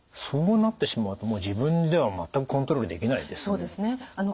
そうなってしまうともう自分では全くコントロールできないですね。